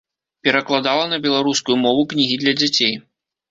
Перакладала на беларускую мову кнігі для дзяцей.